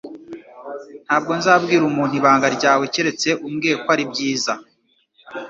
Ntabwo nzabwira umuntu ibanga ryawe keretse umbwiye ko ari byiza